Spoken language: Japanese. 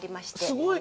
すごい。